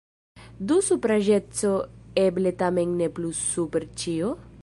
Do supraĵeco eble tamen ne plu super ĉio?